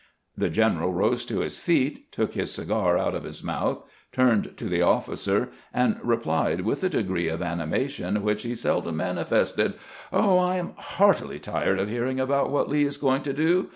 The general rose to his feet, took his cigar out of his mouth, turned to the officer, and replied, with a degree of animation which he seldom manifested :" Oh, I am heartily tired of hearing about what Lee is going to do.